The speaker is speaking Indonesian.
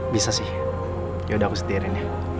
bisa sih yaudah aku setirin ya